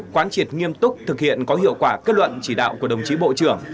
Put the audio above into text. quán triệt nghiêm túc thực hiện có hiệu quả kết luận chỉ đạo của đồng chí bộ trưởng